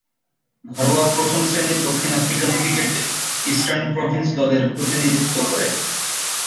ঘরোয়া প্রথম-শ্রেণীর দক্ষিণ আফ্রিকান ক্রিকেটে ইস্টার্ন প্রভিন্স দলের প্রতিনিধিত্ব করেন।